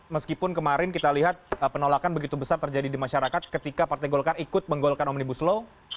meskipun kemarin kita lihat penolakan begitu besar terjadi di masyarakat ketika partai golkar ikut menggolkan omnibus law